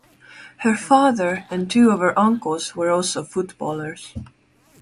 Her father and two of her uncles were also footballers.